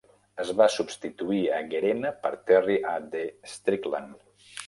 Es va substituir a Gerena per Terry A. D. Strickland.